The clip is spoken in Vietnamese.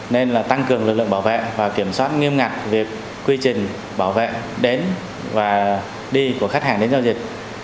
nên là tăng cường lực lượng bảo vệ và kiểm soát nghiêm ngặt về quy trình bảo vệ đến và đi của khách hàng đến giao dịch